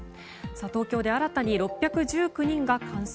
東京で新たに６１９人が感染。